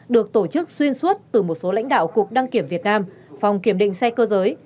được tổ chức xuyên suốt từ một số lãnh đạo cục đăng kiểm việt nam phòng kiểm định xe cơ giới